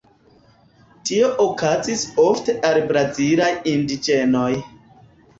Tio okazis ofte al brazilaj indiĝenoj.